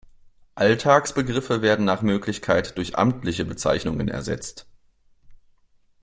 Alltagsbegriffe werden nach Möglichkeit durch amtliche Bezeichnungen ersetzt.